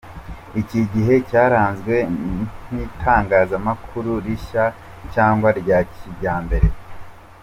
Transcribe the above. Iki gihe cyaranzwe n’Itangazamakuru rishya cyangwa rya kijyambere.